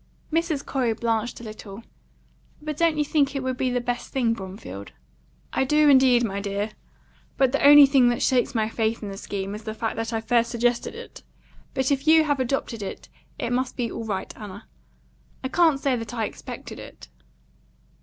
Mrs. Corey blanched a little. "But don't you think it will be the best thing, Bromfield?" "I do indeed, my dear. The only thing that shakes my faith in the scheme is the fact that I first suggested it. But if you have adopted it, it must be all right, Anna. I can't say that I expected it."